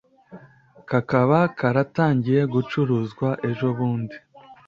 Kakaba karatangiye gucuruzwa ejo bundi